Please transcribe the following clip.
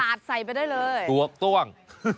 ตัดใส่ไปได้เลยถั่วต้อง